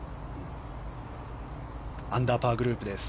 アンダーパーグループです。